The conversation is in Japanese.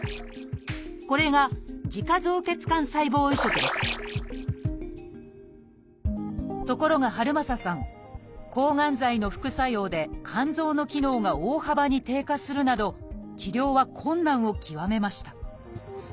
これが「自家造血幹細胞移植」ですところが遥政さん抗がん剤の副作用で肝臓の機能が大幅に低下するなど治療は困難を極めました。